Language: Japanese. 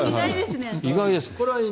意外ですね。